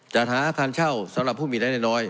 จัดหาอาคารเช่าสำหรับผู้มีรายได้น้อย